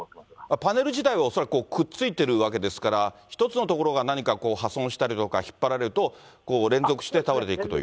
パネル自体は恐らくくっついているわけですから、１つの所が何かこう、破損したりとか、引っ張られると、連続して倒れていくという？